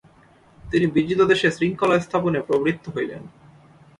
তিনি বিজিত দেশে শৃঙ্খলাস্থাপনে প্রবৃত্ত হইলেন।